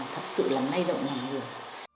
thật sự là may đậu ngàn người